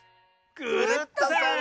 クルットさん！